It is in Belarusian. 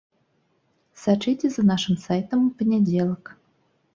Сачыце за нашым сайтам у панядзелак.